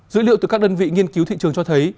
dữ liệu từ các đơn vị nghiên cứu thị trường cho thấy